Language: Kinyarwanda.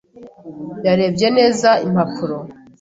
Yarebye neza impapuro.